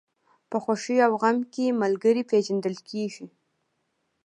په خوښۍ او غم کې ملګری پېژندل کېږي.